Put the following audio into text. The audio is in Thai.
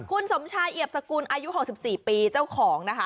คุณสมชายเอียบสกุลอายุ๖๔ปีเจ้าของนะคะ